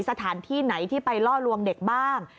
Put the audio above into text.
สถานที่ไหนที่ไปล่อลวงเด็กบ้าง